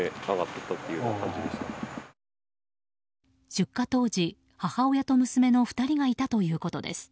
出火当時、母親と娘の２人がいたということです。